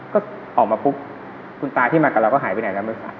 ก็ออกมาปุ๊บคุณตาที่มากับเราก็หายไปไหนแล้วไม่ทราบ